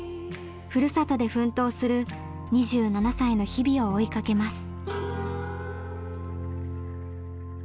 ふるさとで奮闘する２７歳の日々を追いかけます。